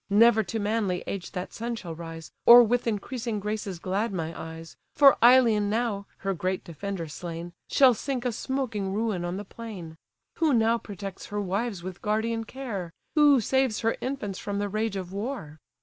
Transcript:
Never to manly age that son shall rise, Or with increasing graces glad my eyes: For Ilion now (her great defender slain) Shall sink a smoking ruin on the plain. Who now protects her wives with guardian care? Who saves her infants from the rage of war?